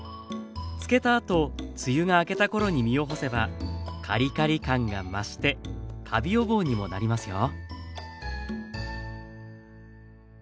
漬けたあと梅雨が明けた頃に実を干せばカリカリ感が増してカビ予防にもなりますよ。